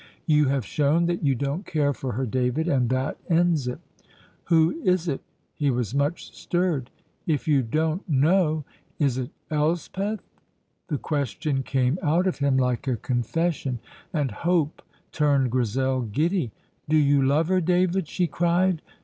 "You have shown that you don't care for her, David, and that ends it." "Who is it?" He was much stirred. "If you don't know " "Is it Elspeth?" The question came out of him like a confession, and hope turned Grizel giddy. "Do you love her, David?" she cried.